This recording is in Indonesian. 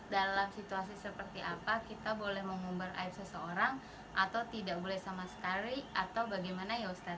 dalam situasi seperti apa kita boleh mengumbar aib seseorang atau tidak boleh sama sekali atau bagaimana ya ustadz